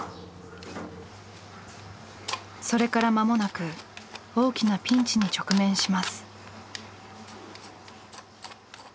それから間もなく大きなピンチに直面します。